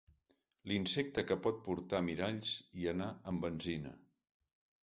L'insecte que pot portar miralls i anar amb benzina.